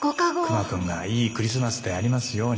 熊くんがいいクリスマスでありますように。